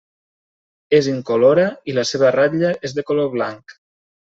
És incolora i la seva ratlla és de color blanc.